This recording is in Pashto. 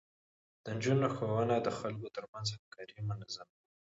د نجونو ښوونه د خلکو ترمنځ همکاري منظموي.